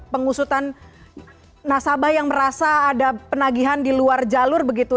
pengusutan nasabah yang merasa ada penagihan di luar jalur begitu